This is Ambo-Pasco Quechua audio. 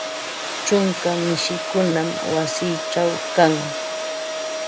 Ćhunka mishikunam wasiićhaw kan